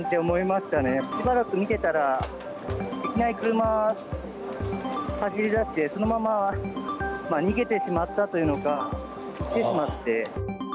しばらく見てたら、いきなり車が走りだして、そのまま逃げてしまったというのがびっくりしまして。